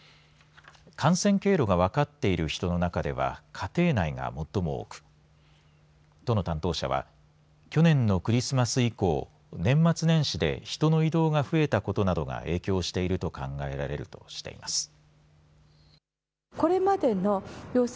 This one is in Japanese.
感染経路が分かっている人の中では家庭内が最も多く都の担当者は去年のクリスマス以降年末年始で人の移動が増えたことなどが影響していると考えられるとしています。